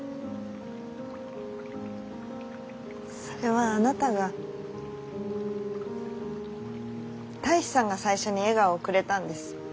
それはあなたが大志さんが最初に笑顔をくれたんです。